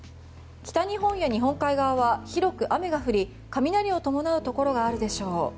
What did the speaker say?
北日本や日本海側は広く雨が降り雷を伴うところがあるでしょう。